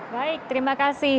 baik terima kasih